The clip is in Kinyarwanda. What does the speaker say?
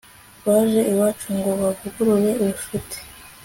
baje iwacu ngo bavugurure ubucuti